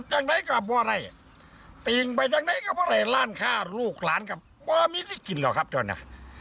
ยังไหนก็บอกเลยติ่งไปยังไหนก็บอกเลยร่านข้าลูกหลานก็ไม่มีที่กินหรอกครับเดี๋ยวนะ